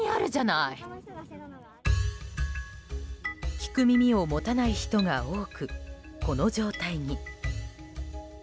聞く耳を持たない人が多くこの状態に。